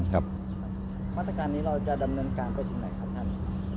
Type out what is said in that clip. มาตรการนี้เราจะดำเนินการไปถึงไหนครับท่าน